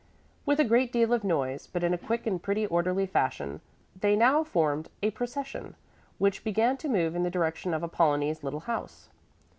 With a great deal of noise, but in a quick and pretty orderly fashion they now formed a procession, which began to move in the direction of Apollonie's little house.